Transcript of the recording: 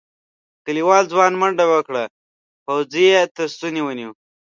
کليوال ځوان منډه وکړه پوځي یې تر ستوني ونيو.